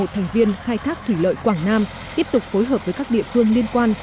thành viên khai thác thủy lợi quảng nam tiếp tục phối hợp với các địa phương liên quan